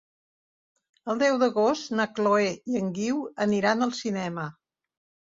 El deu d'agost na Chloé i en Guiu aniran al cinema.